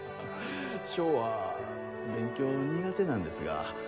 翔は勉強苦手なんですが